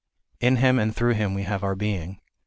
In Him and through Him we have our being.